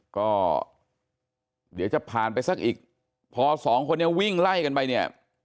ก็เดี๋ยวจะผ่านไปสักอีกพอสองคนนี้วิ่งไล่กันไปเนี่ย